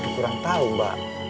kurang tau mbak